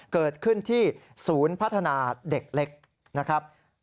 เกิดขึ้นที่ศูนย์พัฒนาเด็กเล็กนะครับ